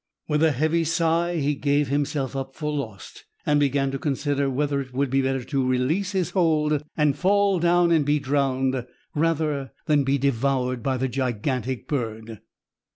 With a heavy sigh he gave himself up for lost, and began to consider whether it would be better to release his hold and fall down and be drowned, rather than be devoured by the gigantic bird.